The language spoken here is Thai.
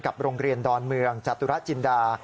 โรงเรียนดอนเมืองจตุระจินดา